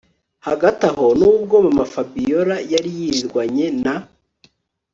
Hagati aho Nubwo mama Fabiora yari yirirwanye na